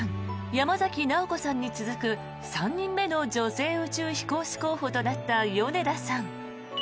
山崎直子さんに続く３人目の女性宇宙飛行士候補となった米田さん。